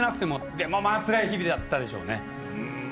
でもつらい日々だったでしょうね。